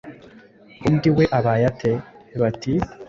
undi we abaye ate ? Bati «